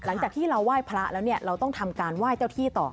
หลังจากที่เราไหว้พระแล้วเนี่ยเราต้องทำการไหว้เจ้าที่ต่อ